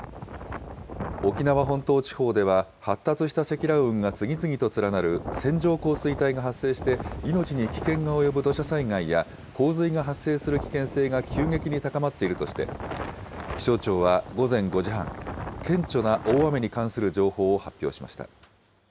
沖縄本島地方では、発達した積乱雲が次々と連なる線状降水帯が発生して、命に危険が及ぶ土砂災害や洪水が発生する危険性が急激に高まっているとして、気象庁は午前５時半、顕著な大雨に関する情報を発表しました。